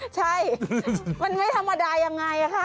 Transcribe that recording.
ใช่มันไม่ธรรมดายังไงค่ะ